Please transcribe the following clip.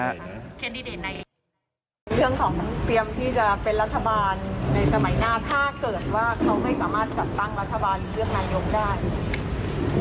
แคนดิเดตนายก